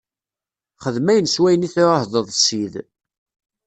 Xdem ayen s wayen i tɛuhdeḍ Ssid.